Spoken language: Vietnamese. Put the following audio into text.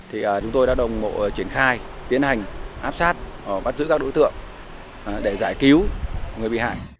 thì chúng tôi đã đồng bộ triển khai tiến hành áp sát bắt giữ các đối tượng để giải cứu người bị hại